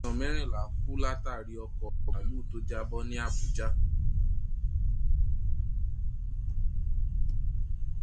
Èèysàn mẹ́rìnlá kú látàri ọkọ̀ bàálù tó jábọ́ ní Àbújá.